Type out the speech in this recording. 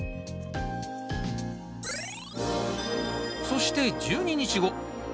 そして１２日後。